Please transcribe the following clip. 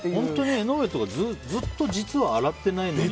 江上とかずっと実は洗ってないのに。